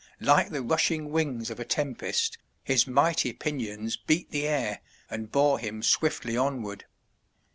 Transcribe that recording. Like the rushing wings of a tempest, his mighty pinions beat the air and bore him swiftly onward.